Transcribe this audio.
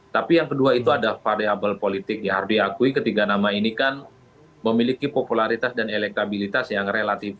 tapi yang kedua itu ada variable politik ya harus diakui ketiga nama ini kan memiliki popularitas dan elektabilitas yang relatif